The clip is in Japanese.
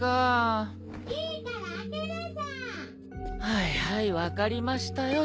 はいはい分かりましたよ